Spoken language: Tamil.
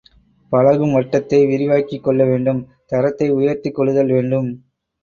பழகும் வட்டத்தை விரிவாக்கிக் கொள்ள வேண்டும், தரத்தை உயர்த்திக் கொள்ளுதல் வேண்டும்.